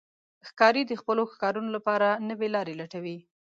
ښکاري د خپلو ښکارونو لپاره نوې لارې لټوي.